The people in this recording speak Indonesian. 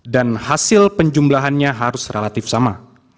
dan hasil penjumlahannya harus relatif sama